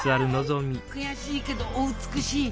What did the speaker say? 悔しいけどお美しい。